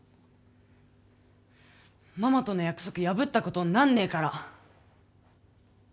ママとの約束破ったことになんねえから！